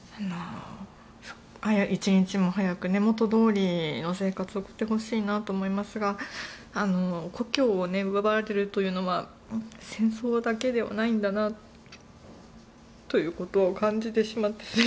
一日も早く元どおりの生活を送ってほしいと思いますが故郷を奪われるというのは戦争だけではないんだなということを感じてしまって。